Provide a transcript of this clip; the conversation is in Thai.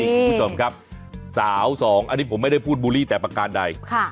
คุณผู้ชมครับสาวสองอันนี้ผมไม่ได้พูดบูลลี่แต่ประการใด